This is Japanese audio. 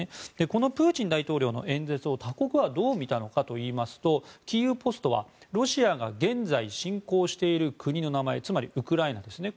このプーチン大統領の演説を他国はどう見たのかといいますとキーウ・ポストはロシアが現在、侵攻している国の名前つまりウクライナですね